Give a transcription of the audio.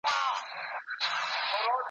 په ګرداب کی ستاسي کلی د پلار ګور دی `